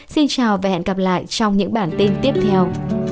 xin chào và hẹn gặp lại trong những bản tin tiếp theo